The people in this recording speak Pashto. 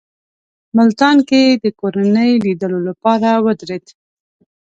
ملتان کې یې د کورنۍ لیدلو لپاره ودرېد.